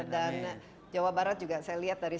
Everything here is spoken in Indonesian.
dan jawa barat juga saya lihat dari